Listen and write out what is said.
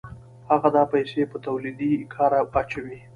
هغه دا پیسې په تولیدي کار اچوي